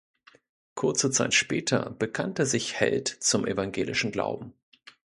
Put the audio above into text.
Kurze Zeit später bekannte sich Helt zum evangelischen Glauben.